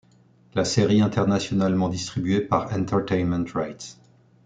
La série internationalement distribuée par Entertainment Rights.